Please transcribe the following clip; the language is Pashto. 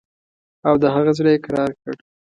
او د هغه زړه یې کرار کړ.